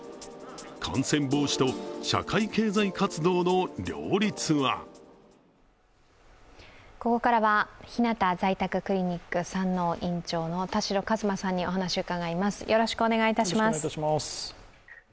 感染防止と社会経済活動の両立はここからはひなた在宅クリニック山王院長の田代和馬さんにお話を伺います。